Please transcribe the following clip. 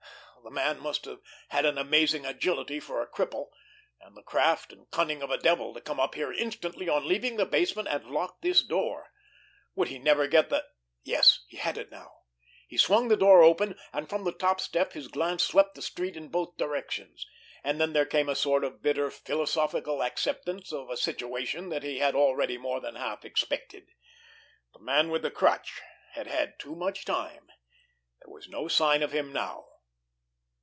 The man must have had amazing agility for a cripple, and the craft and cunning of a devil to come up here instantly on leaving the basement and lock this door! Would he never get the—yes, he had it now! He swung the door open, and from the top step his glance swept the street in both directions. And then there came a sort of bitter philosophical acceptance of a situation that he had already more than half expected. The Man with the Crutch had had too much time. There was no sign of him now.